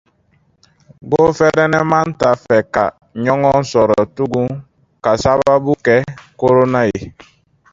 Gofɛrɛnaman t’a fɛ ka ɲɔgɔn sɔrɔ tugun k’a sababu kɛ korona ye.